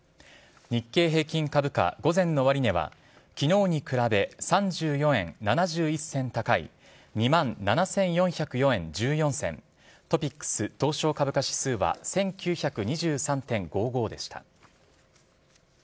日経平均株価、午前の終値は、きのうに比べ３４円７１銭高い、２万７４０４円１４銭、トピックス・東証株価指数は１９２３．５５でした。